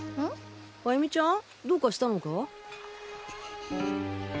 ん歩美ちゃん？どうかしたのか？